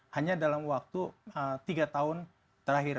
hanya dalam waktu tiga tahun terakhir